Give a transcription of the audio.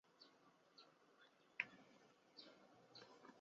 麦珠子为鼠李科麦珠子属下的一个种。